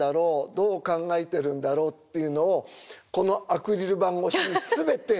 どう考えてるんだろうっていうのをこのアクリル板越しに全て私もう丸裸にされて。